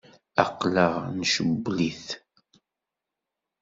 Aql-aɣ ncewwel-it.